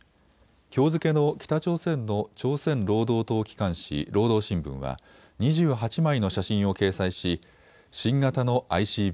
きょう付けの北朝鮮の朝鮮労働党機関紙、労働新聞は２８枚の写真を掲載し新型のＩＣＢＭ